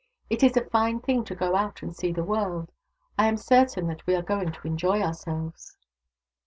It is a fine thing to go out and see the world. I am certain that we are going to enjoy ourselves."